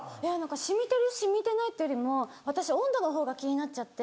染みてる染みてないよりも私温度のほうが気になっちゃって。